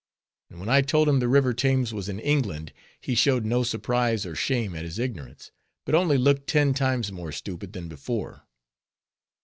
And when I told him the river Thames was in England, he showed no surprise or shame at his ignorance, but only looked ten times more stupid than before.